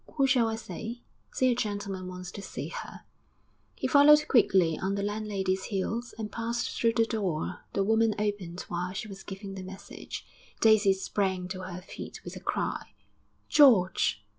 Who shall I say?' 'Say a gentleman wants to see her.' He followed quickly on the landlady's heels and passed through the door the woman opened while she was giving the message. Daisy sprang to her feet with a cry. 'George!'